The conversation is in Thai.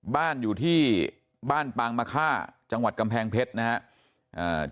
บ้านอยู่ที่บ้านปางมะค่าจังหวัดกำแพงเพชรนะครับ